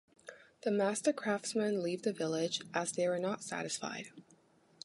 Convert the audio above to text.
The master craftsmen leave the village, as they were not satisfied.